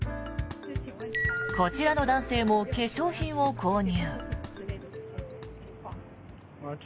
こちらの男性も化粧品を購入。